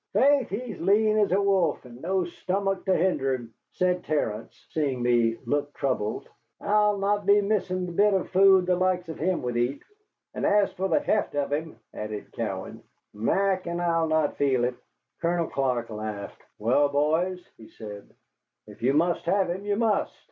"Faith he's lean as a wolf, and no stomach to hinder him," said Terence, seeing me look troubled. "I'll not be missing the bit of food the likes of him would eat." "And as for the heft of him," added Cowan, "Mac and I'll not feel it." Colonel Clark laughed. "Well, boys," he said, "if you must have him, you must.